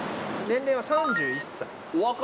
年齢は３１歳。